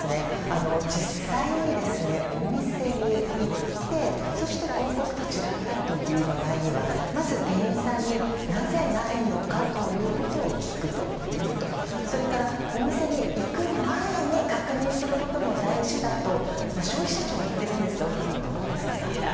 実際にお店に行って広告と違ったという場合にはまず、店員さんになぜないのかと聞くということそれから、お店に行く前に確認することも大事だと消費者庁は言っていますが有働さん、どうですか？